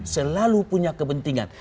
selalu punya kepentingan